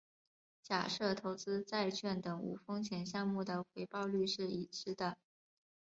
假设投资债券等无风险项目的回报率是已知的。